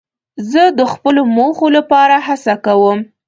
زه د خپلو موخو لپاره هڅه کوم.